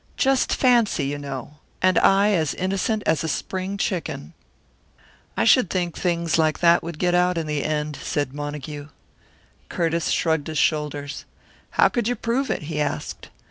Just fancy, you know! And I as innocent as a spring chicken!" "I should think things like that would get out in the end," said Montague. Curtiss shrugged his shoulders. "How could you prove it?" he asked.